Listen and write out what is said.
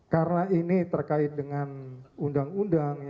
karena ini terkait dengan undang undang